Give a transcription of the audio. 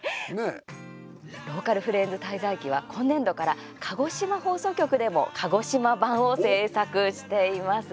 「ローカルフレンズ滞在記」は今年度から鹿児島放送局でも鹿児島版を制作しています。